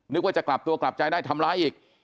ว่าจะกลับตัวกลับใจได้ทำร้ายอีก